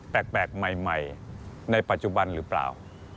แปลกใหม่ในปัจจุบันหรือเปล่า